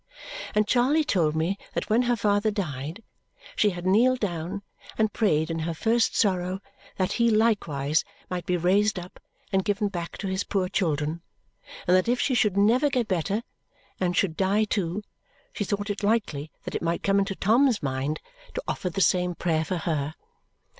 And Charley told me that when her father died she had kneeled down and prayed in her first sorrow that he likewise might be raised up and given back to his poor children, and that if she should never get better and should die too, she thought it likely that it might come into Tom's mind to offer the same prayer for her.